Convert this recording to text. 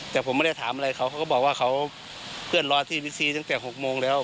แต่ผมไม่ได้ถามอะไรเขาเขาก็บอกว่าเขาเพื่อนรอที่บิ๊กซีตั้งแต่๖โมงแล้ว